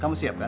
kamu siap kan